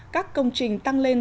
các công trình tăng lên